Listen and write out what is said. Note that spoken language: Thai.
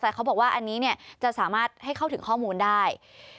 แต่เขาบอกว่าอันนี้เนี่ยจะสามารถให้เข้าถึงข้อมูลได้